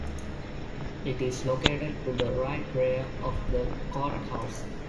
It is located to the right rear of the courthouse.